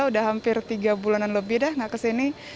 udah hampir tiga bulanan lebih dah nggak kesini